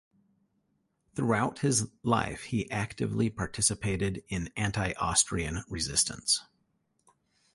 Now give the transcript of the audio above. Throughout his life he actively participated in anti-Austrian resistance.